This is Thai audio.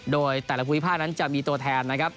โดยแต่ละภูมิภาคนั้นจะมีตัวแทนนะครับ